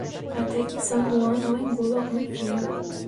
Até que San Juan não engula um fio.